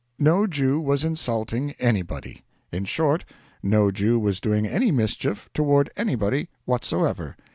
No Jew was insulting anybody. In short, no Jew was doing any mischief toward anybody whatsoever.